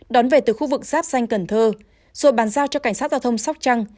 đón về từ khu vực giáp xanh cần thơ rồi bàn giao cho cảnh sát giao thông sóc trăng